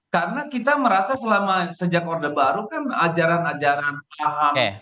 karena kita merasa selama sejak orde baru kan ajaran ajaran paham